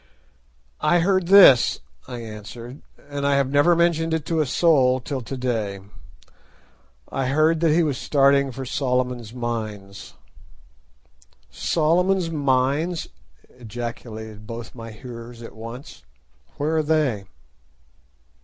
"I heard this," I answered, "and I have never mentioned it to a soul till to day. I heard that he was starting for Solomon's Mines." "Solomon's Mines?" ejaculated both my hearers at once. "Where are they?"